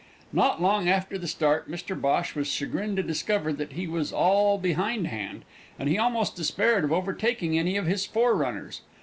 Not long after the start Mr Bhosh was chagrined to discover that he was all behindhand, and he almost despaired of overtaking any of his fore runners.